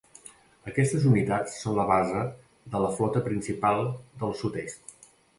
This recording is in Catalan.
Aquestes unitats són la base de la flota principal del sud-est.